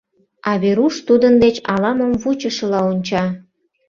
А Веруш тудын деч ала-мом вучышыла онча.